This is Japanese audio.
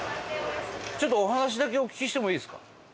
ちょっとお話だけお聞きしてもいいですか？